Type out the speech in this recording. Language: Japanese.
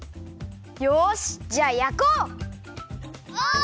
よしじゃあやこう！